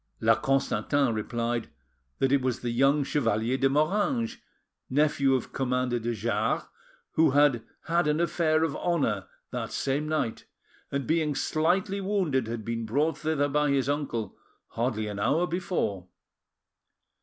La Constantin replied that it' was the young Chevalier de Moranges, nephew of Commander de Jars, who had had an affair of honour that same night, and being sightly wounded had been brought thither by his uncle hardly an hour before.